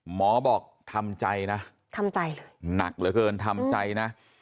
หมอบอกทำใจนะทำใจหนักเหลือเกินทำใจนะ